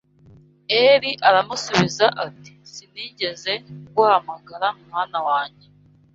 Eli aramusubiza ati sinigeze nguhamagara mwana wanjye